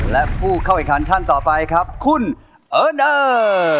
และผู้เข้าอีกทางท่านต่อไปครับคุณเอิ้นเออร์